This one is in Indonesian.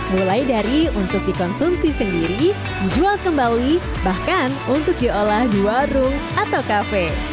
mulai dari untuk dikonsumsi sendiri dijual kembali bahkan untuk diolah di warung atau kafe